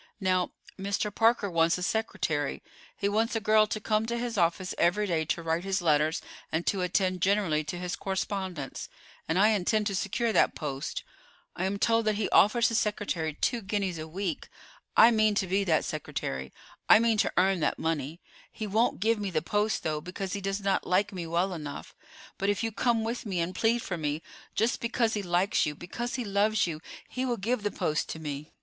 Now, Mr. Parker wants a secretary. He wants a girl to come to his office every day to write his letters and to attend generally to his correspondence, and I intend to secure that post. I am told that he offers his secretary two guineas a week. I mean to be that secretary: I mean to earn that money. He won't give me the post, though, because he does not like me well enough; but if you come with me and plead for me, just because he likes you, because he loves you, he will give the post to me.